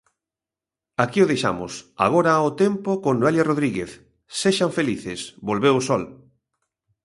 Aquí o deixamos, agora o tempo con Noelia Rodríguez, sexan felices, volveu o sol.